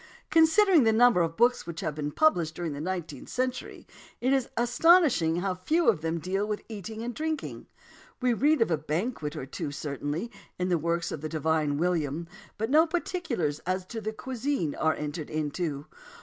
Considering the number of books which have been published during the nineteenth century, it is astonishing how few of them deal with eating and drinking. We read of a banquet or two, certainly, in the works of the divine William, but no particulars as to the cuisine are entered into.